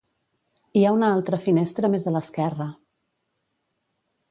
Hi ha una altra finestra més a l'esquerra.